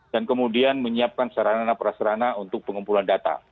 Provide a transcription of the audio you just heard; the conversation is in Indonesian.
dan kemudian menyiapkan sarana prasarana untuk pengumpulan data